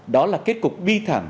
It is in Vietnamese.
đó là kết cục bi thảm